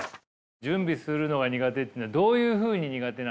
準備するのが苦手っていうのはどういうふうに苦手なんですか？